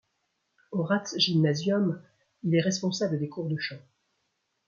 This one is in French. Au Ratsgymnasium il est responsable des cours de chant.